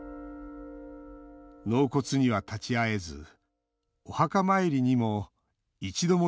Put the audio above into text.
納骨には立ち会えずお墓参りにも一度も